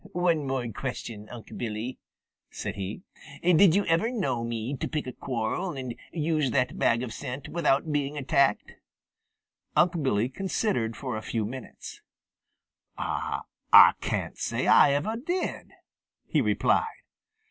"One more question, Unc' Billy," said he. "Did you ever know me to pick a quarrel and use that bag of scent without being attacked?" Unc' Billy considered for a few minutes. "Ah can't say Ah ever did," he replied.